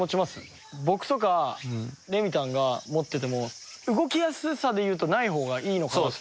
僕とかレミたんが持ってても動きやすさでいうとない方がいいのかなと。